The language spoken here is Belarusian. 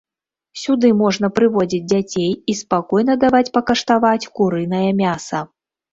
Сюды можна прыводзіць дзяцей і спакойна даваць пакаштаваць курынае мяса.